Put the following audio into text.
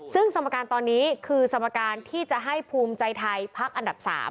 ซึ่งสมการตอนนี้คือสมการที่จะให้ภูมิใจไทยพักอันดับ๓